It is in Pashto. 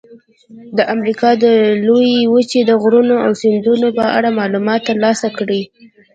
د امریکا د لویې وچې د غرونو او سیندونو په اړه معلومات ترلاسه کړئ.